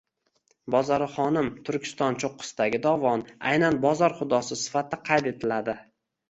Bozorixonim – Turkiston cho‘qqisidagi dovon. Aynan Bozor xudosi sifatida qayd etiladi.